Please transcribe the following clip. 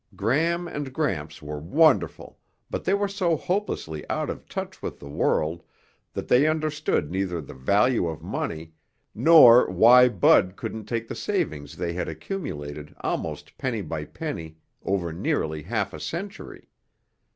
Gram and Gramps were wonderful, but they were so hopelessly out of touch with the world that they understood neither the value of money nor why Bud couldn't take the savings they had accumulated almost penny by penny over nearly half a century.